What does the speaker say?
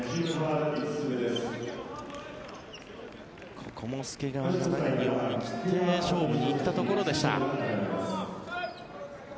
ここも介川が思い切って勝負に行ったところでした。